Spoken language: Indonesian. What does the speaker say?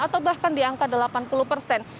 atau bahkan di angka delapan puluh persen